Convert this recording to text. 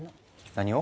何を？